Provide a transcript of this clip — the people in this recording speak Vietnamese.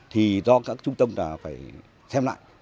thì do các trung tâm phải xem lại